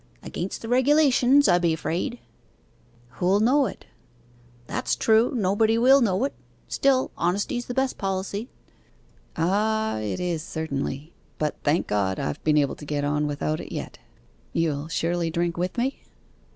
'Against the regulations, I be afraid.' 'Who'll know it?' 'That's true nobody will know it. Still, honesty's the best policy.' 'Ah it is certainly. But, thank God, I've been able to get on without it yet. You'll surely drink with me?